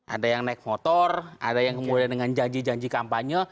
ada yang naik motor ada yang kemudian dengan janji janji kampanye